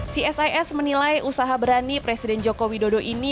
si sis menilai usaha berani presiden joko widodo ini